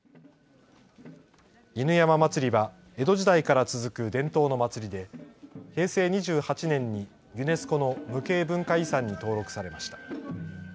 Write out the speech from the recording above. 犬山祭は江戸時代から続く伝統の祭りで平成２８年にユネスコの無形文化遺産に登録されました。